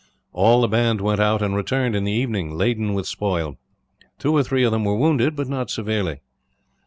All the band went out, and returned in the evening, laden with spoil. Two or three of them were wounded, but not severely.